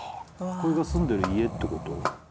これが住んでる家って事？